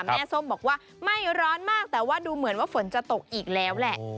ส้มบอกว่าไม่ร้อนมากแต่ว่าดูเหมือนว่าฝนจะตกอีกแล้วแหละ